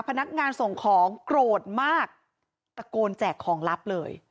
พนักงานส่งของโกรธมากตะโกนแจกของลับเลย